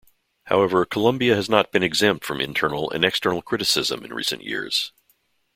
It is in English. However, Columbia has not been exempt from internal and external criticism in recent years.